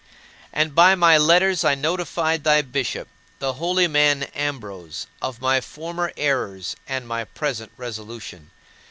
And by letters I notified thy bishop, the holy man Ambrose, of my former errors and my present resolution.